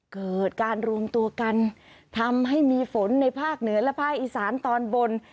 เกิดการรวมตัวกันทำให้มีฝนในภาคเหนือและภาคอีสานตอนบน